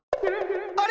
あれ？